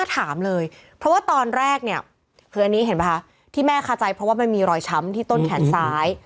คืออันนี้เห็นไหมคะที่แม่คาใจเพราะว่ามันมีรอยช้ำที่ต้นแขนซ้าย